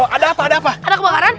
ada apa ada kebakaran